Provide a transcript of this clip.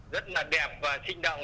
rất là đẹp và sinh động